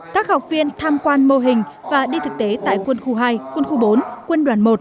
các học viên tham quan mô hình và đi thực tế tại quân khu hai quân khu bốn quân đoàn một